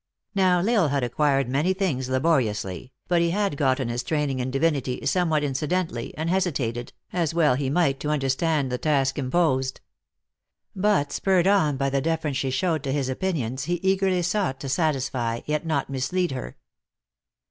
Xow L Isle had acquired many things laboriously, but he had gotten his training in divinity somewhat incidentally, and hesitated, as well he might, to under take the task imposed. But spurred on by the defer ence she showed to his opinions, he eagerly sought to satisfy, yet not mislead her.